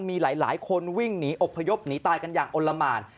มีหลายคนวิ่งหนีอบพยพหนีตายกันอย่างอลละหมาน